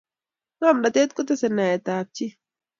ngomnatet kotesei naet ap chii